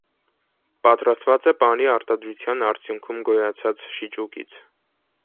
Պատրաստվում է պանրի արտադրության արդյունքում գոյացած շիճուկից։